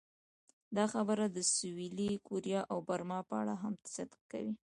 دا خبره د سویلي کوریا او برما په اړه هم صدق کوي.